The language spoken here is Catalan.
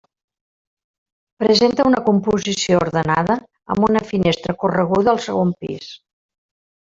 Presenta una composició ordenada amb una finestra correguda al segon pis.